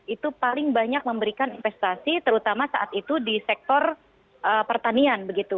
itu paling banyak memberikan investasi terutama saat itu di sektor pertanian begitu